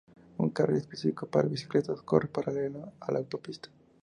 Un carril específico para bicicletas corre paralelo a la autopista.